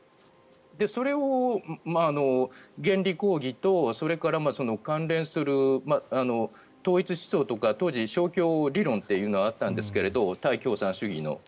それを原理講義とそれから関連する統一思想とか当時、勝共理論というのがあったんですけど対共産主義の。